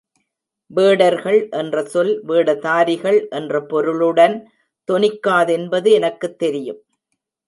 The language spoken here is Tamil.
வேடர்கள் என்ற சொல் வேடதாரிகள் என்ற பொருளுடன் தொனிக்காதென்பது எனக்குத் தெரியும்.